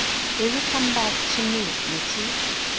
"" Will you come back to me. Beauty?